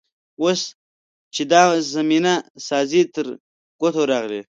اوس چې دا زمینه سازي تر ګوتو راغلې.